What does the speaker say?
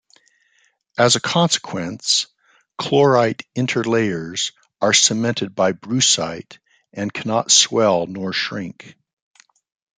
As a consequence, chlorite interlayers are cemented by brucite and cannot swell nor shrink.